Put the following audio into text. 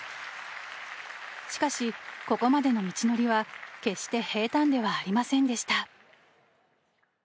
しかし、ここまでの道のりは決して平たんではありませんでした。